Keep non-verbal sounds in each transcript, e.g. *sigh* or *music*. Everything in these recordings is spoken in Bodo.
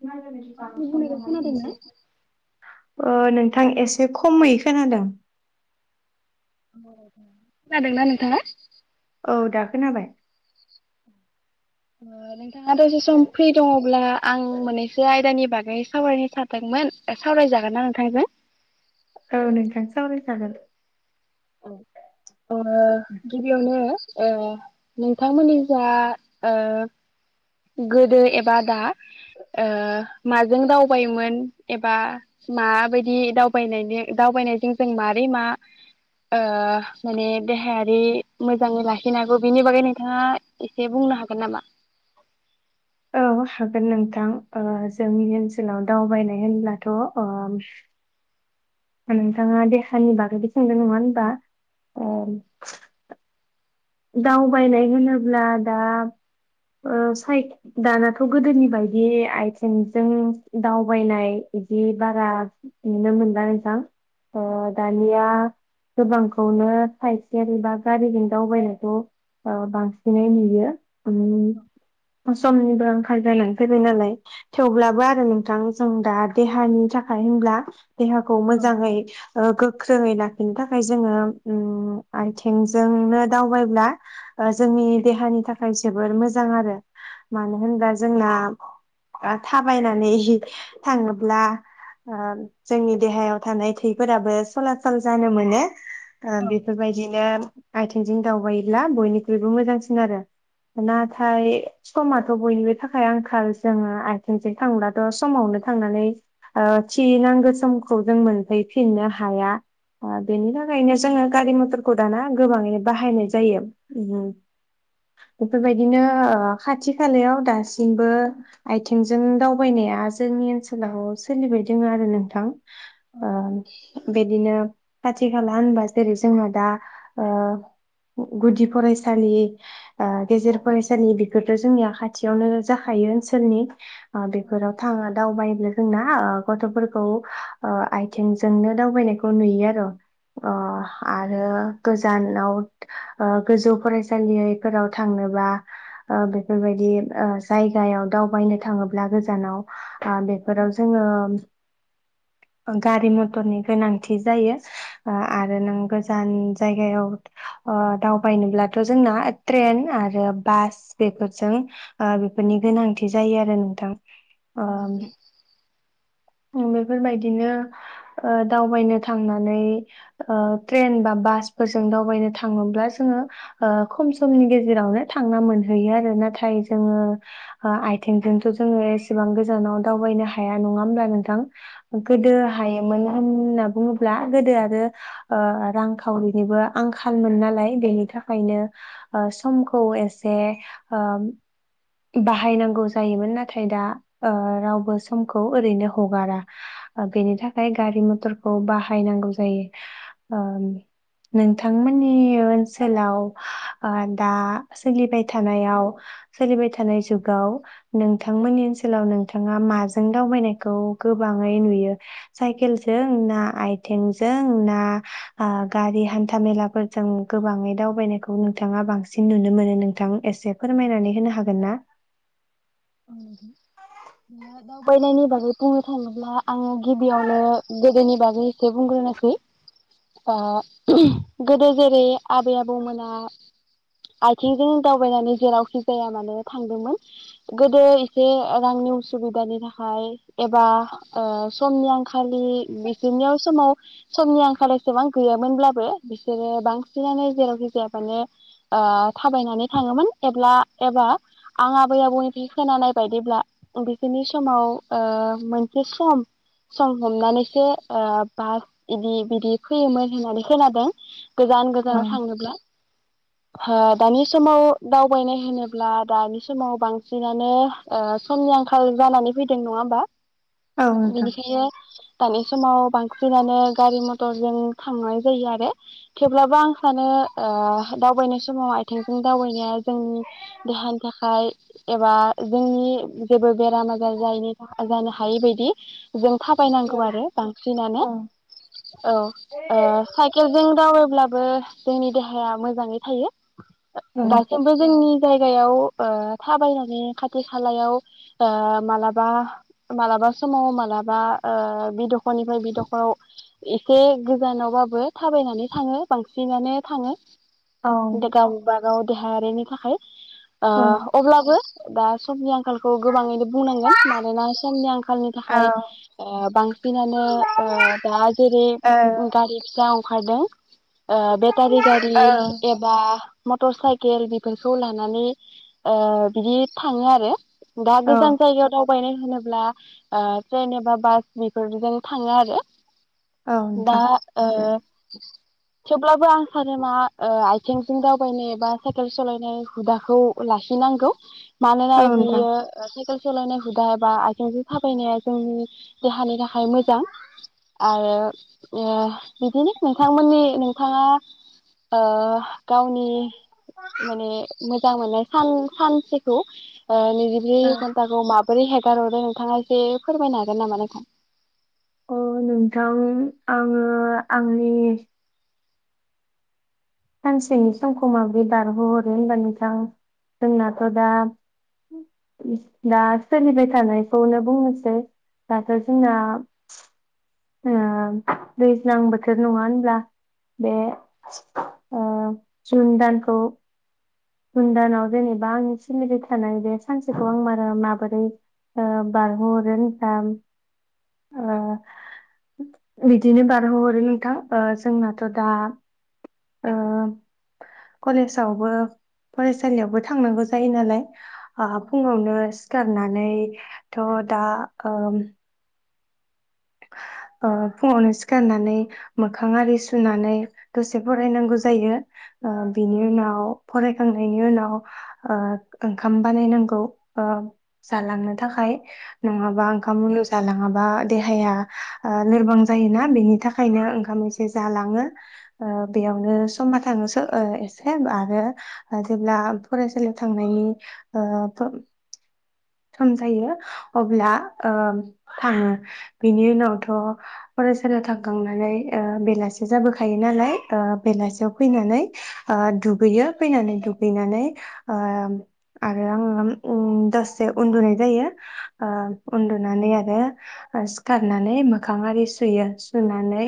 *unintelligible* मा आंनि बुंनायखौ खोनादोंना अ नोंथां एसे खमै खोनादों खोनादोंना नोंथाङा औ दा खोनाबाय नोंथाङा दसे सम फ्रि दङब्ला आं मोननैसो आयदानि बागै सावरायनो सादोंमोन सावरायजागोन ना नोंथांजों औ नोंथां सावराय जागोन औ अ गिबियावनो ओ नोंथांमोननि जा ओ गोदो एबा दा ओ माजों दावबायोमोन एबा माबायदि दावबाय दावबायनायजों जों माबारै मा ओ माने देहायारि मोजाङै लाखिनो हागौ बिनि बागै नोंथाङा एसे बुंनो हागोन नामा औ हागोन नोंथां ओ जोंनि ओनसोलाव दावबायनाय होनब्लाथ अ नोंथाङा देहानि बागैबो सोंदों नङा होनबा ओं दावबायनाय होनोब्ला दा ओ साय दानाथ गोदोनि बायदि आइथिंजों दावबायनाय बिदि बारा नुनो मोनला नोंथां अ दानिया गोबांखौनो साइखेल बा गारिजों दावबाय खौ बांसिनै नुयो उम समनिबो आंखाल जानानै फैबाय नालाय थेवब्लाबो आरो नोंथां जों दा देहानि थाखाय होनब्ला देहाखौ मोजाङै ओ गोख्रोङै लाखिनो थाखाय जोङो उम आथिंजोंनो दावबाय होमब्ला जोंनि देहानि थाखाय जोबोर मोजां आरो मानो होनबा जोंना आ थाबायनानै थाङोब्ला ओ जोंनि देहायाव थानाय थैफोराबो सलासल जानो मोनो। ओ औ बेफोरबायदिनो आइथिंजों दावबाययो गैला बयनिख्रुइबो मोजांसिन आरो नाथाय समा थ' बयनिबो थाखाय आंखाल जोङो आथिंजों थांब्लाथ' समावनो थांनानै ओ थि नांगौ समखौ जों मोनफैफिननो हाया। ओ बेनि थाखायनो जोङो गारि मथर खौ दाना गोबाङैनो बाहायनाय जा जायो उम बेफोरबादिनो ओ खाथि खालायाव दासिमबो आइथिंजों दावबायनाया जोंनि ओनसोलाव सोलिबाय दोङो आरो नोंथां। ओ बिदिनो खाथि खाला होनबा जेरै- जोंहा दा ओ गुदि फरायसालि ओ गेजेर फरायसालि बेफोरथ' जोंनिया खाथियावनो जाखायो ओनसोलनि ओ बेफोराव थाङा दावबायनो जोंना गथ'फोरखौ ओ आइथिंजोंनो दावबायनायखौ नुयो आरो। अ आरो गोजानाव ओ गोजौ फरायसालिफोराव थांनोबा ओ बेफोरबायदि ओ जायगायाव दावबायनो थाङोब्ला गोजानाव ओ बेफोराव जोङो गारि मथरनि गोनांथि जायो ओ आरो नों गोजान जायगायाव ओ दावबायनोब्लाथ' जोंना ट्रेन आरो बास बेफोरजों ओ बेफोरनि गोनांथि जायो आरो नोंथां। औ नोंथां। ओम बेफोरबायदिनो ओ दावबायनो थांनानै ओ ट्रेन बा बासफोरजों दावबायनो थां थाङोब्ला जोङो ओ खम समनि गेजेरावनो थांना मोनहैयो आरो नाथाय जोङो ओ आइथिंजोंथ' जोङो एसेबां गोजानाव दावबायनो हाया नङा होमब्ला नोंथां औ गोदो हायोमोन होनना बुङोब्ला गोदो आरो ओ रांखावरिनिबो आंखा खालमोन नालाय बेनि थाखायनो समखौ एसे ओ बाहायनांगौ जायोमोन नाथाय दा ओ रावबो समखौ ओरैनो हगारा बेनि थाखाय गारि मथरखौ बाहायनांगौ जायो ओ नोंथांमोननि ओनसोलाव ओ दा सोलिबाय थानायाव सोलिबाय थानाय जुगाव नोंथांमोननि ओनसोलाव नोंथाङा माजों दावबायनायखौ गोबाङै नुयो साइकेलजों ना आइथिंजों ना ओ गारि हान्था मेलाफोरजों गोबाङै दावबायनायखौ नोंथाङा बांसिन नुनो मोनो नोंथां एसे फोरमायनानै होनो हा हागोन ना? दा दावबायनायनि बागै बुंनो थाङोब्ला आङो गिबियावनो गोदोनि बागै एसे बुंग्रोनोसै ओ गोदो जेरै- आबै आबौमोना आइथिंजों दावबायनानै जेरावखि जाया मानो थांदोंमोन गोदो एसे रांनि उसुबिदानि थाखाय एबा ओ समनि आंखालि बिसोरनियाव समाव समनि आंखालि एसेबां गैयामोनब्लाबो बिसोरो बांसिनानो जेरावखि जायाबानो थाबायनानै थाङोमोन एब्ला एबा आं आबै आबौनि खोनानाय बायदिब्ला बिसोरनि समाव ओ मोनसे सम सम हमनानैसो ओ बास इदि बिदि फैयोमोन होननानै खोनादों। गोजान औ गोजानाव थाङोब्ला। ओ दानि समाव दावबायनाय होनोब्ला दानि समाव बां सिनानो ओ समनि आंखाल जानानै फैदों नङा होमबा। औ नोंथां बिनिखायनो दानि समाव बांसिनानो गारि मटरजों थांनाय जायो आरो थेवब्लाबो आं सानो दावबायनाय समाव आइथिंजों दावबायनाया जोंनि देहानि थाखाय एबा जोंनि जेबो बेराम आजार जायैनि जानो हायै बायदि जों थाबायनांगौ आरो बांसिनानो औ औ ओ साइकेलजों जावोब्लाबो जोंनि देहाया मोजाङै थायो औ दासिमबो जोंनि जायगायाव ओ। थाबायनानै खाथि खालायाव मालाबा मालाबा समाव मालाबा बि दखरनिफ्राय बे दख'राव एसे गोजानावबाबो थाबायनानै थाङो बांसिनानो थाङो। *unintelligible* गाव देहायारिनि थाखाय। औ ओ। बो दा समनि आंखालखौ गोबाङैनो बुंनांगोन मानोना समनि आंखालनि थाखाय बांसिनानो औ दा जेरै ओ गारि फिसा *unintelligible* ओ बे सतारि गारि औ एबा। मटर साइकेल बेफोरखौ लानानै। ओ बिदि थाङो आरो। दा औ गोजान जायगायाव दावबायनाय। मानो होनोब्ला ओ ट्रेन एबा बास बेफोरजों थाङो आरो। औ दा नोंथां ओ। थेवब्लाबो आं। *unintelligible* आथिंजों दावबायनाय एबा साइकेल सालायनाय हुदाखौ लाखि। बिनांगौ। मानोना औ नोंथां बियो। सोलायनाय हुदा ए बा आथिंजों थाबायनाया जोंनि देहानि थाखाय मोजां आरो ओ बिदिनो नोंथांमोननि नोंथाङा ओ गावनि माने मोजां मोननाय। सान सानसेखौ। ओ नैजिब्रै घन्टाखौ माब्रै। बोरै हेगार हरदो नोंथाङा जे फोरमायनो हागोन नामा नोंथां। अ नोंथां आङो आंनि। सानसेनि समखौ माबे बारहोहरो होनबा नोंथां जोंनाथ' दा दा सोलिबाय थानायखौनो बुंनोसै दाथ'। ना। ओआ दैज्लां बोथोर नङा होनोमब्ला। बे। आ जुन दानखौ। जुुन दानाव जेनेबा आंनि सोलिबाय थानाय बे सानसेखौ आं मारा माबोरै ओ बारहोहरो होनसां। ओ बिदिनो बारहोहरो नोंथां ओ जोंनाथ' दा ओ कलेजावबो फरायसालियावबो थांनांगौ जायो नालाय। आफुङावनो। सिथारनानैथ' दा ओम। ओ फुङावनो सिखारनानै मोखां आरि सुनानै दसे फरायनांगौ जायो। ओ बिनि उनाव। फरायखांनायनि उनाव ओ ओंखाम बानायनांगौ ओ जालांनो थाखाय। नङाबा ओंखाम उनो जानाङामोन। बा देहा हाया ओ लोरबां जायोना बेनि थाखायनो ओंखाम एसे जालाङो। ओ बेयावनो समा थाङोसो ओ एसे बा ओ जेब्ला फरायसालियाव थांनायनि ओ फो सम जायो अब्ला ओ थाङो बेनि उनावथ' फरायसालियाव थांखांनानै ओ बेलासि जाबोखायो नालाय ओ बेलासियाव फैनानै ओ दुग दुगैयो फैनानै दुगैनानै ओ आरो आङो ओम दस से उन्दुनाय जायो, उन्दुनानै आरो सिखारनानै मोखां आरि सुयो सुनानै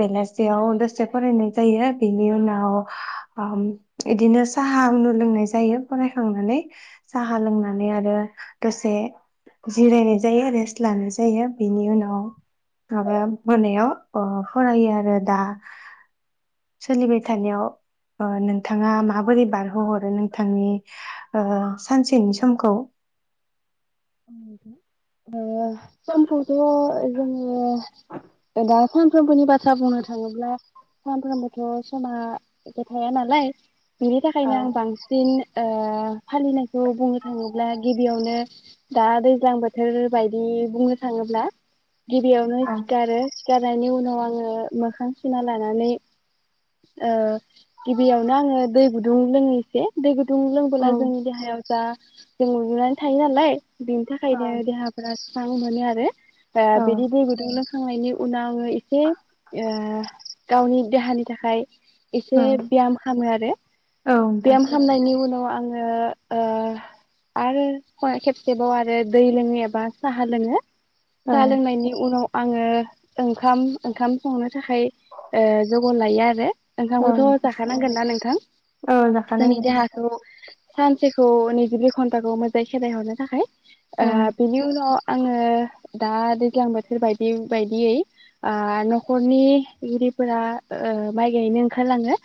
बेलासियाव दसे फरायनाय जायो बेनि उनाव बिदिनो साहा उनु लोंनाय जायो फरायखांनानै। साहा लोंनानै नानै आरो दसे जिरायनाय जायो रेस्ट लानाय जायो बिनि उनाव माबा मोनायाव फरायो आरो दा सोलिबाय थानायाव नोंथाङा माबोरै बारहोहरो नोंथांनि सानसेनि सम खौ? ओ समखौथ' जोङो दा सानफ्रोमबोनि बाथ्रा बुंनो थाङोब्ला सानफ्रोमबोथ' समा थाया नालाय बिनि औ थाखायनो आं बांसिन ओ फालिनायखौ बुंनो थाङोब्ला गिबियावनो दा दैज्लां बोथोर बायदि बुंनो थाङोब्ला गिबियावनो औ सिखारो। सिखारनायनि उनाव आङो मोखां सुना लानानै ओ गिबियावनो आङो दै गुदुं लोङो एसे, दै गुदुं दुं औ लोंबोला जोंनि देहायाव जा जों उन्दुनानै थायो नालाय बिनि थाखायनो देहाफोरा स्रां मोनोआरोे। ओ औ बिदि दै गुदुं लों खांनायनि उनाव आङो एसे ओ गावनि देहानि थाखाय एसे औ ब्याम खामो आरो। औ नोंथां ब्याम खालामामनायनि उनाव आङो ओ आरो ख खेब सेबाव आरो दै लोङो एबा साहा लोङो। औ साहा लोंनायनि उनाव आङो ओंखाम ओंखाम संनो थाखाय ओ ज'गार लायो आरो औ ओंखामखौथ' नोंथां जाखानांगोनना नोंथां औ जोंनि जाखानांगोन देहाखौ सानसेखौ नैजिब्रै घन्टाखौ मोजाङै खेदाय हरनो थाखाय ओ औ बिनि उनाव आङो दा दैज्लां बोथोर बायदि बायदियै न'खरनि गिरिफोरा ओ माइ गायैनो ओंखारलाङो।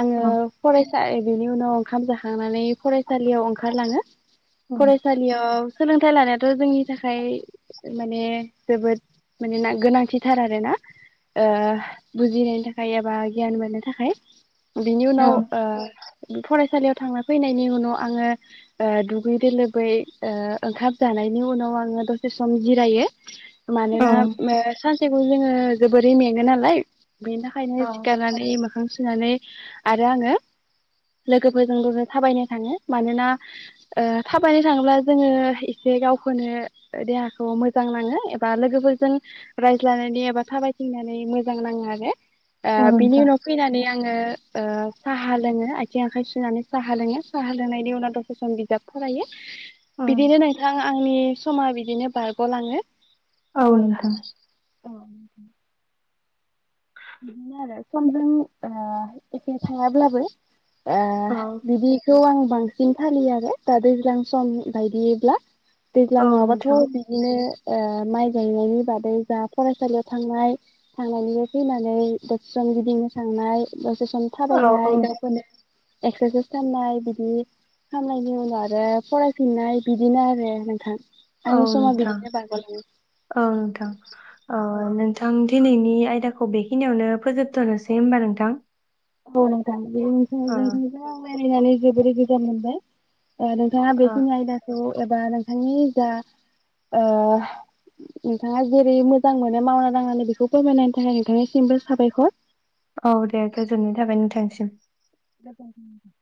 आङो औ फराय फ्राय बेनि उनाव ओंखाम जाखांनानै फरायसालियाव ओंखारलाङो फराय सालियाव सोलोंथाइ लानायाथ' जोंनि थाखाय माने जोबोद माने गोनांथिथार आरोना ओ बुजिनायनि थाखाय एबा गियान मोननो थाखाय बिनि औ उनाव आ फरायसालियाव थांना फैनायनि उनाव आङो ओ दुगैदो लो बै ओ ओंखाम जानायनि उनाव आङो दसे सम जिरायो। औ मानोना मा सा *unintelligible* जोङो जोबोरै मेङो नालाय। बेनिखायनो औ सिखारनानै मोखां सुनानै आरो आङो लोगोफोरजोंबो थाबायनो थाङो मानोना ओ थाब बायनो थाङोब्ला जोङो एसे गावखौनो देहाखौ मोजां नाङो एबा लोगोफोरजों रायज्लायनानै एबा थाबायथिंनानै मोजां नाङो आरो ओ औ बिनि नोंथां उनाव फैनानै आङो ओ साहा लोङो आथिं आखाइ सुनानै साहा लोङो साहा लोंनायनि उनाव दसे सम बिजाब फरायो। औ। बिदिनो नोंथां आंनि समा बिदिनो बारग'लाङो औ नोंथां। अ बिदिनो आरो समजों ओ एखे थायाब्लाबो आ औ बिदिखौ आं बां सीन फालियो आरो दा दैज्लां सम बायदिब्ला। दैज्लां औ नङाबाथ' नोंथां बिदिनो ओ माइ गायनायनि बादै जा फरायसालियाव थांनाय थांनायनि फैनानै दसे सम गिदिंनो थांनाय दसे सम औ औ। थाबायनाय गावखौनो एक्सारसाइस खालामनाय बिदि खालामनायनि उनाव आरो फरायफिननाय बिदिनो आरो नोंथां। औ आंनि समा नोंथां बिदिनो बारग'लाङो औ नोंथां अ नोंथां दिनैनि आय दाखौ बेखिनियावनो फोजोबथ'नोसै होनबा नोंथां। औ नोंथां *unintelligible* ओ रायलायनानै जोबोद गोजोन मोनबाय। ओ नोंथाङा ओ बेखिनि आयदाखौ एबा नोंथांनि जा ओ नोंथाङा जेरै मोजां मोनो मावना दांनानै बेखौ फोरमायनायनि थाखाय नोंथांनिसिमबो साबायखर। औ दे गोजोननाय थाबाय नोंथा थांनिसिम गोजोनथों नोंथां।